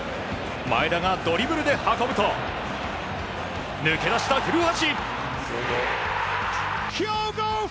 前田がドリブルで運ぶと抜け出した古橋。